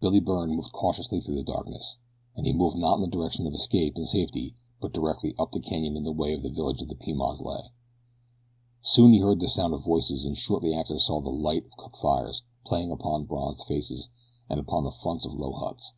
Billy Byrne moved cautiously through the darkness, and he moved not in the direction of escape and safety but directly up the canyon in the way that the village of the Pimans lay. Soon he heard the sound of voices and shortly after saw the light of cook fires playing upon bronzed faces and upon the fronts of low huts.